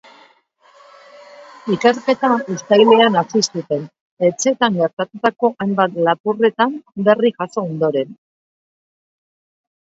Ikerketa uztailean hasi zuten, etxeetan gertatutako hainbat lapurreten berri jaso ondoren.